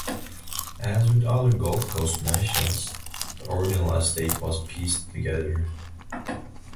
As with other Gold Coast Mansions, the original estate was pieced together.